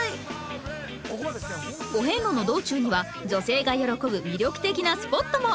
お遍路の道中には女性が喜ぶ魅力的なスポットも！